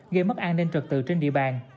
gây mất an ninh trật tự trên địa bàn